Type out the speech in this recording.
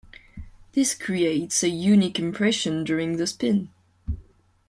This creates a unique impression during the spin.